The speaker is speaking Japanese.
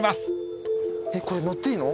えっこれ乗っていいの？